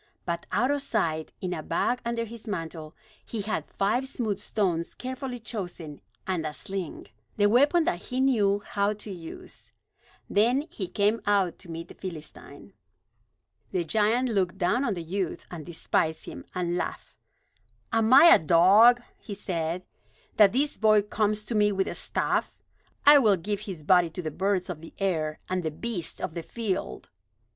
But out of sight, in a bag under his mantle, he had five smooth stones carefully chosen, and a sling, the weapon that he knew how to use. Then he came out to meet the Philistine. The giant looked down on the youth and despised him, and laughed. [Illustration: The giant looked down on the youth and despised him] "Am I a dog?" he said, "that this boy comes to me with a staff? I will give his body to the birds of the air, and the beasts of the field."